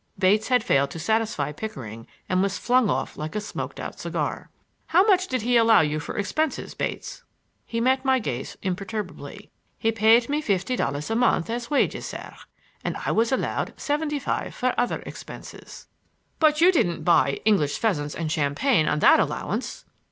Bates had failed to satisfy Pickering and was flung off like a smoked out cigar. "How much had he allowed you for expenses, Bates?" He met my gaze imperturbably. "He paid me fifty dollars a month as wages, sir, and I was allowed seventy five for other expenses." "But you didn't buy English pheasants and champagne on that allowance!"